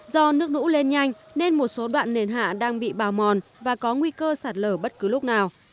do nước lũ lên nhanh nên một số đoạn nền hạ đang bị bào mòn và có nguy cơ sạt lở bất cứ lúc nào